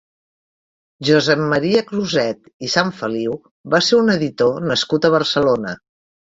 Josep Maria Cruzet i Sanfeliu va ser un editor nascut a Barcelona.